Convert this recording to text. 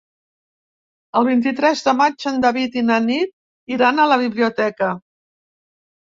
El vint-i-tres de maig en David i na Nit iran a la biblioteca.